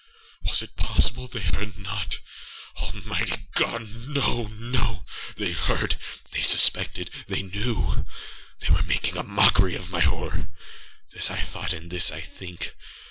Was it possible they heard not? Almighty God!âno, no! They heard!âthey suspected!âthey knew!âthey were making a mockery of my horror!âthis I thought, and this I think.